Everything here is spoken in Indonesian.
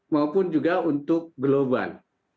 maupun juga untuk global